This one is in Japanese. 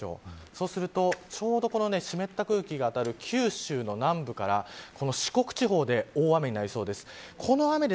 そうすると、ちょうど湿った空気が当たる九州の南部からこの四国地方で大雨になりそうです。